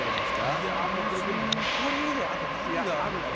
いやもうこれでも残りであと何があるのかな？